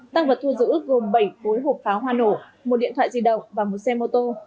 tăng vật thu giữ gồm bảy cối hộp pháo hoa nổ một điện thoại di động và một xe mô tô